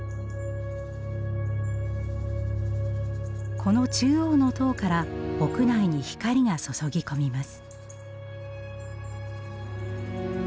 この中央の塔から屋内に光が注ぎ込みます。